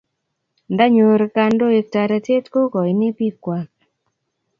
Ndanyor kandoik taretet ko kaini piik kwai